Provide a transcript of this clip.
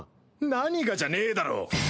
何がじゃねぇだろ。